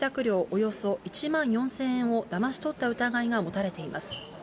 およそ１万４０００円をだまし取った疑いが持たれています。